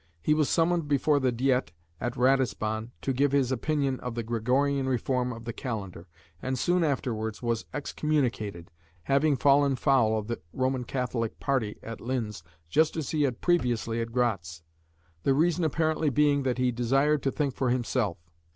He was summoned before the Diet at Ratisbon to give his opinion on the Gregorian Reform of the Calendar, and soon afterwards was excommunicated, having fallen foul of the Roman Catholic party at Linz just as he had previously at Gratz, the reason apparently being that he desired to think for himself.